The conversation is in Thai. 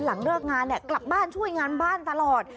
เลิกงานเนี่ยกลับบ้านช่วยงานบ้านตลอด